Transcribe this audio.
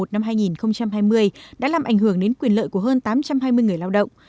năm hai nghìn hai mươi đã làm ảnh hưởng đến quyền lợi của hơn tám trăm hai mươi người lao động